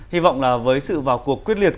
hi vọng là với sự vào cuộc quyết liệt